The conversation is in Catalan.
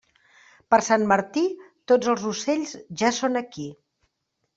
Per Sant Martí, tots els ocells ja són aquí.